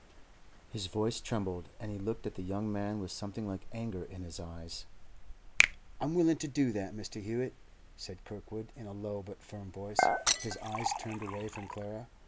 His voice trembled, and he looked at the young man with something like anger in his eyes. 'I'm willing to do that, Mr. Hewett,' said Kirkwood in a low but firm voice, his eyes turned away from Clara.